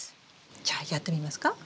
じゃあやってみますか？